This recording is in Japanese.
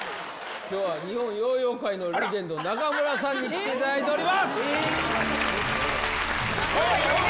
きょうは日本ヨーヨー界のレジェンド、中村さんに来ていただいております。